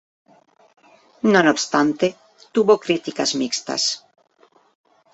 No obstante, tuvo críticas mixtas.